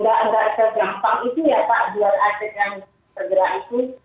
tapi kan tidak terjampang itu ya pak jual aset yang tergerak itu